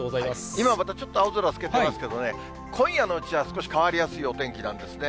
今、またちょっと青空透けてますけどね、今夜のうちは少し変わりやすいお天気なんですね。